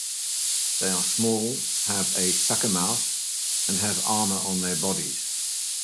They are small, have a suckermouth, and have armor on their bodies.